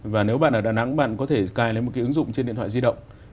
và nếu bạn ở đà nẵng bạn có thể cài lấy một cái ứng dụng trên điện thoại di động